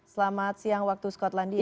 selamat siang waktu scotlandia